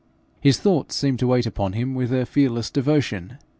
His thoughts seemed to wait upon him with a fearless devotion.